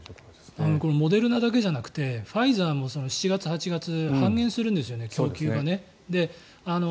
これモデルナだけじゃなくてファイザーも７月、８月半減するんですよね、供給がね。